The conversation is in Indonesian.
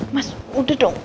mas udah dong